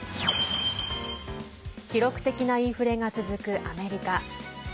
記録的なインフレが続くアメリカ。